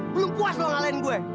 belum puas lo ngalahin gue